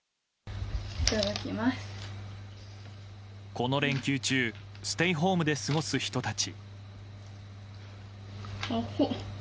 この連休中ステイホームで過ごす人たち。